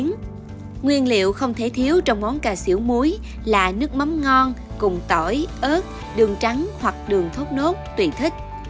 nguyên liệu không thể thiếu trong món cà xỉu muối là nước mắm ngon cùng tỏi ớt đường trắng hoặc đường thốt nốt tùy thích